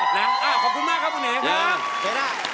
หนังขอบคุณมากครับคุณเหนะครับ